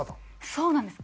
そうなんです。